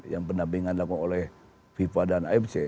yang penampingan lakukan oleh fifa dan afc